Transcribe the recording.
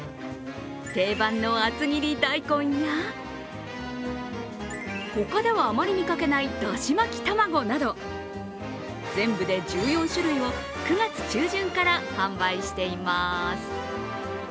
定番の厚切大根や、他ではあまり見かけないだし巻玉子など全部で１４種類を９月中旬から販売しています。